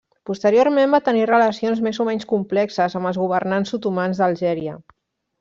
Posteriorment va tenir relacions més o menys complexes amb els governants otomans d'Algèria.